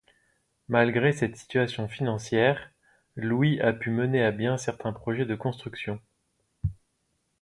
Malgré cette situation financière, Louis a pu mener à bien certains projets de construction.